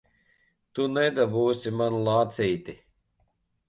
Tu nedabūsi manu lācīti!